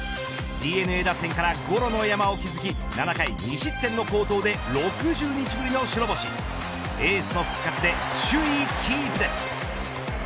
ＤｅＮＡ打線からゴロの山を築き７回２失点の好投で６０日ぶりの白星エースの復活で首位キープです。